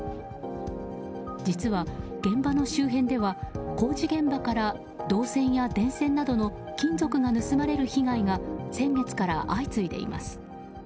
実は現場の周辺では工事現場から銅線や電線などの金属が盗まれる被害が先月から相次いでいます。